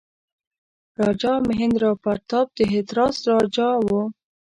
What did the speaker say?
راجا مهیندراپراتاپ د هتراس راجا وو.